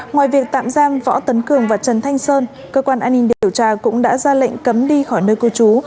ngoài việc tạm giam võ tấn cường và trần thanh sơn cơ quan an ninh điều tra cũng đã ra lệnh cấm đi khỏi nơi cư trú